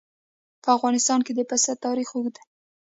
په افغانستان کې د پسه تاریخ اوږد دی.